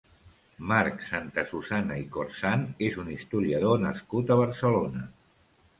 Marc Santasusana i Corzan és un historiador nascut a Barcelona.